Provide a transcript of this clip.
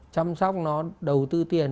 chăm sóc nó đầu tư tiền